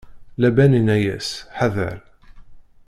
Laban inna-yas: Ḥadeṛ!